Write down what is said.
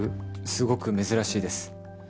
すごく珍しいです。